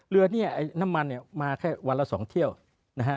เรือนี้น้ำมันมาแค่วันละสองเที่ยวนะฮะ